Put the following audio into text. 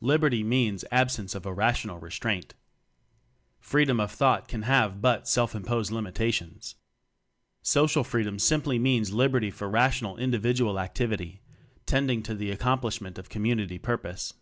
Liberty means absence of irrational restraint. Freedom of thought can have but self imposed limitations. Social Freedom simply means lib erty for rational individual activity tending to the accomplishment of Community Purpose.